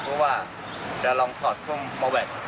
เพื่อว่าจะลองถอดคุมมอร์แบต